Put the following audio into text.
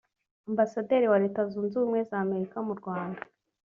Ambasaderi wa Leta Zunze Ubumwe z’Amerika mu Rwanda